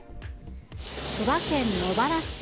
千葉県茂原市。